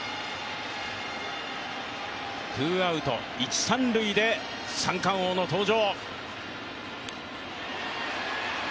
ツーアウト一・三塁で三冠王の登場